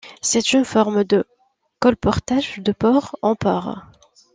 C'est une forme de colportage de port en port.